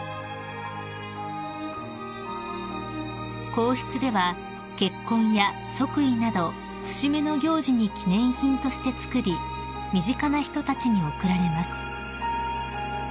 ［皇室では結婚や即位など節目の行事に記念品として作り身近な人たちに贈られます］